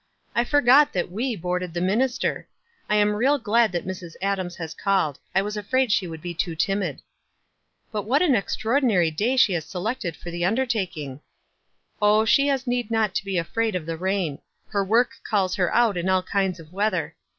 "I forgot that we boarded the minister. I am real glad that Mrs. Adams has called. I was afraid sho would be too timid." 84 WISE AND OTHERWISE. " But what an extraordinary day she has se lected for the undertaking." "Oh, she has need not to be afraid of the rain ; her work calls her out in all kinds of weather.